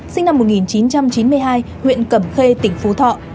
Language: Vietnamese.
sinh năm một nghìn chín trăm chín mươi hai huyện cẩm khê tỉnh phú thọ